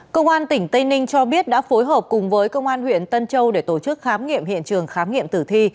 công an tỉnh tây ninh cho biết đã phối hợp cùng với công an huyện tân châu để tổ chức khám nghiệm hiện trường khám nghiệm tử thi